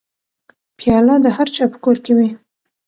پیاله د هرچا په کور کې وي.